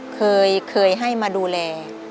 เคยให้มาดูแล